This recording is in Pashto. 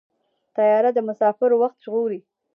طیاره د مسافرو وخت ژغوري.